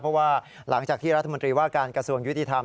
เพราะว่าหลังจากที่รัฐมนตรีว่าการกระทรวงยุติธรรม